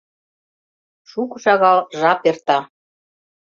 Шуко-шагал жап эрта